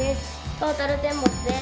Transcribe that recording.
トータルテンボスです。